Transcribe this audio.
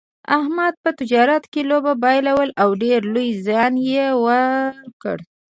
احمد په تجارت کې لوبه بایلوله او ډېر لوی زیان یې وکړ.